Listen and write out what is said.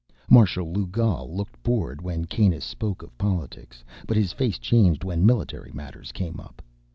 Marshal Lugal looked bored when Kanus spoke of politics, but his face changed when military matters came up.